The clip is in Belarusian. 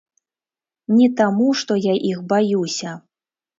Не таму, што я іх баюся.